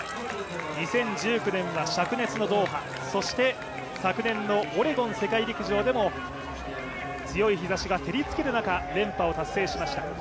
２０１９年はしゃく熱のドーハ、そして昨年のオレゴン世界陸上でも強い日ざしが照りつける中連覇を達成しました。